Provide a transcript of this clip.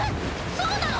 そうなの？